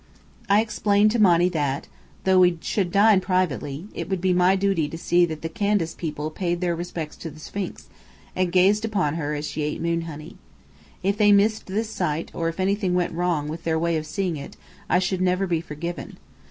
I explained to Monny that, though we should dine privately, it would be my duty to see that the Candace people paid their respects to the Sphinx, and gazed upon her as she ate moon honey. If they missed this sight, or if anything went wrong with their way of seeing it, I should never be forgiven.